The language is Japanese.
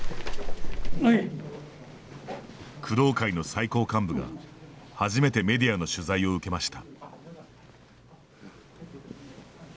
工藤会の最高幹部が初めてメディアの取材を受けました。